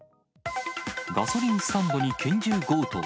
ガソリンスタンドに拳銃強盗。